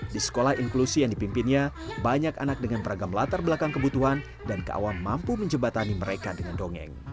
di sekolah inklusi yang dipimpinnya banyak anak dengan beragam latar belakang kebutuhan dan keawam mampu menjebatani mereka dengan dongeng